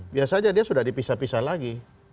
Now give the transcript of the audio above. biasanya dia sudah dipisah pisah lagi